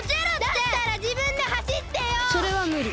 だったらじぶんではしってよ！それはむり。